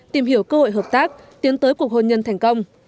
tìm hiểu cơ hội hợp tác tiến tới cuộc hôn nhân thành công